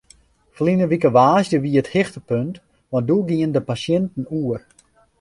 Ferline wike woansdei wie it hichtepunt want doe gienen de pasjinten oer.